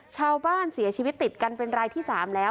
ชาวบ้านเสียชีวิตติดกันเป็นรายที่๓แล้ว